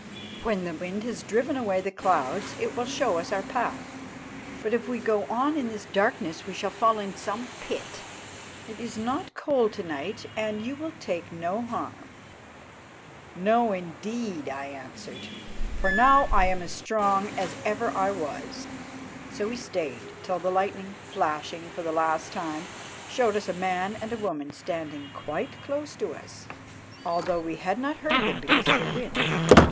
When the wind has driven away the clouds it will show us our path, but if we go on in this darkness we shall fall into some pit. It is not cold to night, and you will take no harm." "No, indeed," I answered, "for now I am as strong again as ever I was." So we stayed till the lightning, flashing for the last time, showed us a man and a woman standing quite close to us, although we had not heard them because of the wind.